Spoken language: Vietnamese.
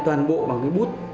toàn bộ bằng cái bút